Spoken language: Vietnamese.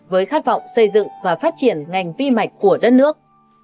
với khát vọng xây dựng và phát triển ngành vi mạch của đất nước